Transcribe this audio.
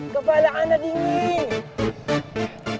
kepala anak dingin